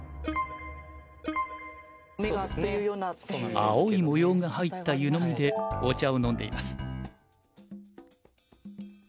青い模様が入った湯飲みでお茶を飲んでいます。